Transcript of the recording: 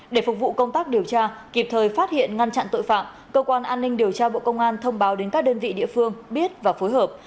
để phục vụ công tác điều tra kịp thời phát hiện ngăn chặn tội phạm cơ quan an ninh điều tra bộ công an thông báo đến các đơn vị địa phương biết và phối hợp